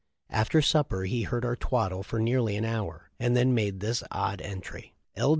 After supper he heard our twaddle for nearly an hour, and then made this odd entry : 'L.